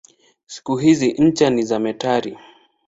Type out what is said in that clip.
Siku hizi ncha ni za metali.